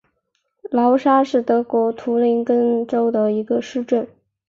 劳沙是德国图林根州的一个市镇。